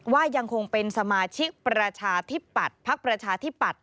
ว่ายังคงเป็นสมาชิกประชาธิปัตย์พักประชาธิปัตย